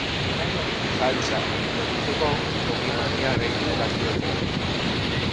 Saltsa loditzeko ogi-mamia gehitu dakioke.